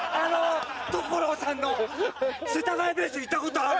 所さんの世田谷ベース行ったことある？